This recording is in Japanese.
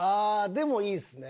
でもいいですね。